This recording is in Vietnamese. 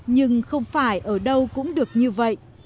nhưng không phải ở đâu cũng được như vậy